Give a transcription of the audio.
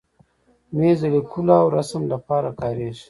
مېز د لیکلو او رسم لپاره کارېږي.